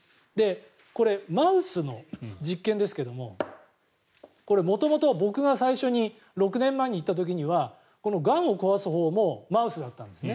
これ、マウスの実験ですが元々、僕が最初に６年前に行った時にはがんを壊す方法もマウスだったんですね。